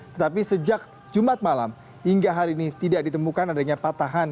tetapi sejak jumat malam hingga hari ini tidak ditemukan adanya patahan